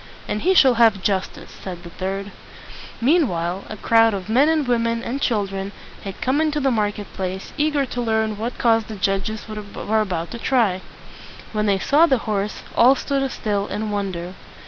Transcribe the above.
"And he shall have justice!" said the third. Mean while a crowd of men and women and children had come into the market place, eager to learn what cause the judges were about to try. When they saw the horse, all stood still in wonder.